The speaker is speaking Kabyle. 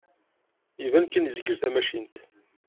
Iban kan yezgel tamacint.